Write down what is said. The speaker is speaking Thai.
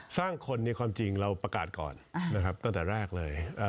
สร้างคนในความจริงเราประกาศก่อนนะครับตั้งแต่แรกเลย